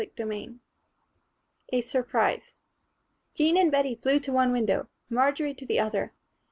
CHAPTER IX A Surprise JEAN and Bettie flew to one window, Marjory to the other.